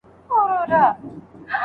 د لیکني اصول نه تخریبول کېږي.